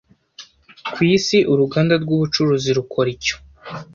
kwisi uruganda rwubucuruzi rukora icyo